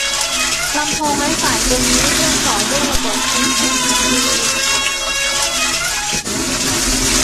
ลำโพงไร้สายตัวนี้เชื่อมต่อด้วยระบบเอ็นเอฟซี